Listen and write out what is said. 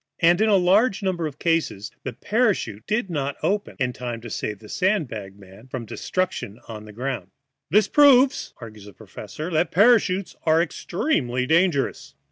And in a large number of cases the parachute did not open in time to save the sand bag man from destruction on the ground. "That proves," argues the professor, "that parachutes are extremely dangerous."